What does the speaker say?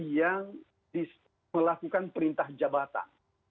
yang melakukan perintah jabatan